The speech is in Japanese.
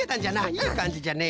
いいかんじじゃね。